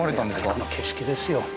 この景色ですよ